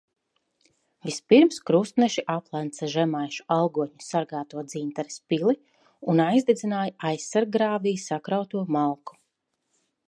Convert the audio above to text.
Vispirms krustneši aplenca žemaišu algotņu sargāto Dzintares pili un aizdedzināja aizsarggrāvī sakrauto malku.